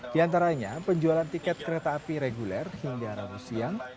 di antaranya penjualan tiket kereta api reguler hingga rabu siang